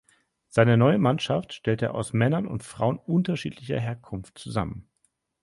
Seine neue Mannschaft stellt er aus Männern und Frauen unterschiedlicher Herkunft zusammen.